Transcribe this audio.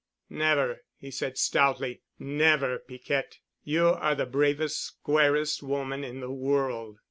"Never," he said stoutly, "never, Piquette. You're the bravest, squarest woman in the world."